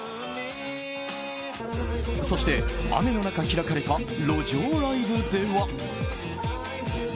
そして、雨の中開かれた路上ライブでは。